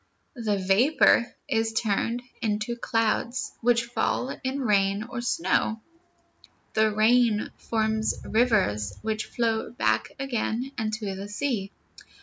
The vapor is turned into clouds, which fall in rain or snow. The rain forms rivers, which flow back again into the sea.